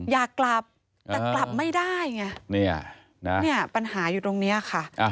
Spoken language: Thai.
อยากกลับแต่กลับไม่ได้ไงเนี่ยปัญหาอยู่ตรงนี้ค่ะ